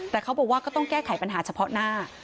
แต่เขาบอกว่าก็ต้องแก้ไขปัญหาเฉพาะหน้า